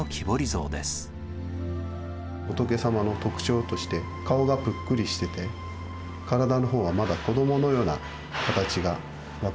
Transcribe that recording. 仏様の特徴として顔がぷっくりしてて体の方はまだ子どものような形が分かると思います。